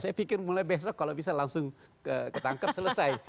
saya pikir mulai besok kalau bisa langsung ketangkep selesai